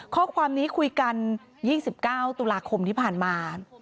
ข้อความนี้คุยกัน๒๙ตุลาคมที่ผ่านมา